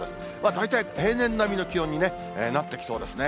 大体平年並みの気温になってきそうですね。